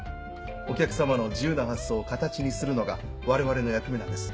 お客さまの自由な発想を形にするのが我々の役目なんです。